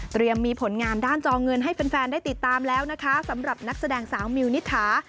มีผลงานด้านจอเงินให้แฟนได้ติดตามแล้วนะคะสำหรับนักแสดงสาวมิวนิษฐา